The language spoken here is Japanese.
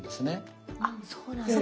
あそうなんですね。